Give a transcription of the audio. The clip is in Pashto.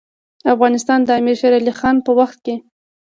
افغانستان د امیر شیرعلي خان په وخت کې.